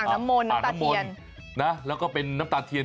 อ่างน้ำมนน้ำตาเทียน